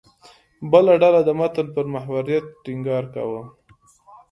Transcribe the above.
بله ډله د متن پر محوریت ټینګار کاوه.